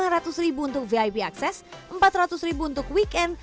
lima ratus ribu untuk vip akses empat ratus ribu untuk weekend